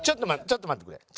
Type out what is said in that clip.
ちょっと待ってくれ。